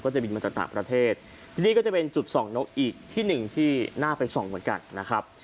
จะบินมาจากต่างประเทศที่นี่ก็จะเป็นจุดส่องนกอีกที่หนึ่งที่น่าไปส่องเหมือนกันนะครับ